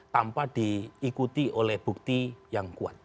tanpa diikuti oleh bukti yang kuat